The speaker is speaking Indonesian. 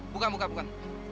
bukan bukan bukan